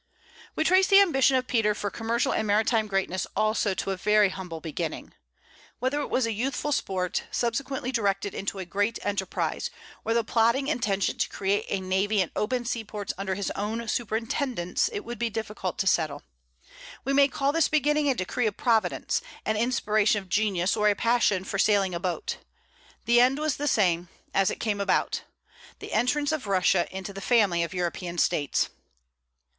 We trace the ambition of Peter for commercial and maritime greatness also to a very humble beginning. Whether it was a youthful sport, subsequently directed into a great enterprise, or the plodding intention to create a navy and open seaports under his own superintendence, it would be difficult to settle. We may call this beginning a decree of Providence, an inspiration of genius, or a passion for sailing a boat; the end was the same, as it came about, the entrance of Russia into the family of European States.